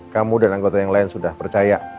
kamu dan anggota yang lain sudah percaya